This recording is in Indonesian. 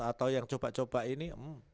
atau yang coba coba ini